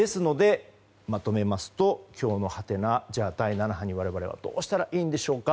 まとめますと、今日のハテナじゃあ、第７波に我々はどうしたらいいんでしょうか。